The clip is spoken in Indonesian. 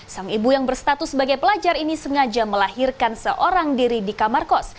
sang ibu yang berstatus sebagai pelajar ini sengaja melahirkan seorang diri di kamar kos